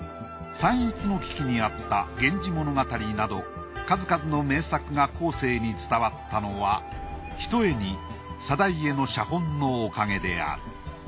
散逸の危機にあった『源氏物語』など数々の名作が後世に伝わったのはひとえに定家の写本のおかげである。